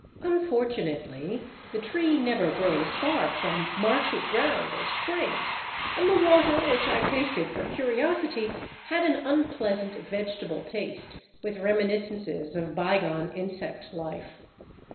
Unfortunately the tree never grows far from marshy ground or springs, and the water, which I tasted for curiosity, had an unpleasant vegetable taste, with reminiscences of bygone insect life.